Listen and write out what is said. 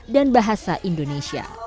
dan bahasa indonesia